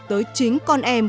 tới chính con em